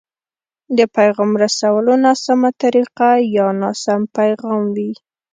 د پيغام رسولو ناسمه طريقه يا ناسم پيغام وي.